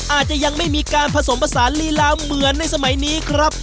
อาจจะยังไม่มีการผสมผสานลีลาเหมือนในสมัยนี้ครับ